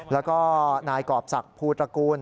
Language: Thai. แล้วก็นายกรอบศักดิ์ภูตระกูล